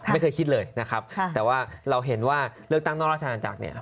ไม่เคยคิดเลยนะครับแต่ว่าเราเห็นว่าเลือกตั้งนอกราชนาจักรเนี่ย